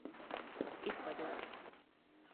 Itt vagyok.